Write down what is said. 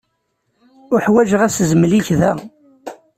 Uḥwaǧeɣ asezmel-ik da.